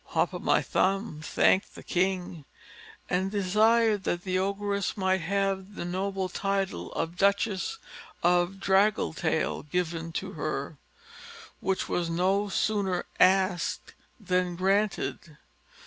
Hop o' my thumb thanked the king, and desired that the Ogress might have the noble title of Duchess of Draggletail given to her; which was no sooner asked than granted.